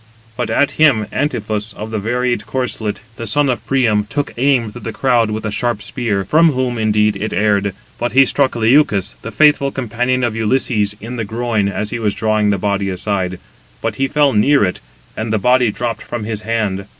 But at him Antiphus, of the varied corslet, the son of Priam, took aim through the crowd with a sharp spear. From whom, indeed, it erred: but he struck Leucus, the faithful companion of Ulysses, in the groin, as he was drawing the body aside; but he fell near it, and the body dropped from his hand.